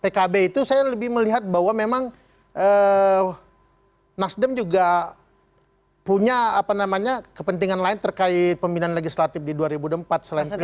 pilihan pkb itu saya lebih melihat bahwa memang nasdem juga punya apa namanya kepentingan lain terkait pemilihan legislatif di dua ribu empat selain pilpres